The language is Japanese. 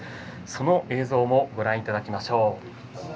その映像もご覧いただきましょう。